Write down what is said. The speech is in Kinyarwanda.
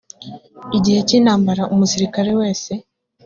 mu gihe cy intambara umusirikare wese